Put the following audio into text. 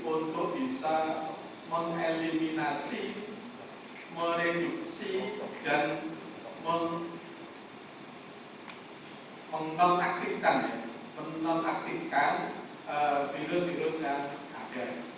untuk bisa mengelak kita harus menonaktifkan virus virus yang ada